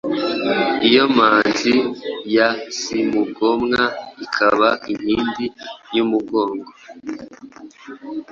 iyo manzi ya Simugomwa ikaba inkindi yu mugongo